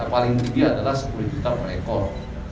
paling tinggi adalah sepuluh juta per ekor